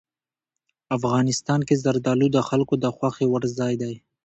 افغانستان کې زردالو د خلکو د خوښې وړ ځای دی.